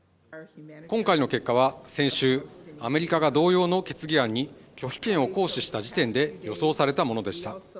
今回の結果は先週アメリカが同様の決議案に拒否権を行使した時点で予想されたものでした